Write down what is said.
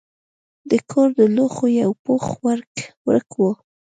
د کور د لوښو یو پوښ ورک و.